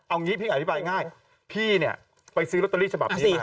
เอาไปแล้วอย่างนั้นก็โอนละเวงจริง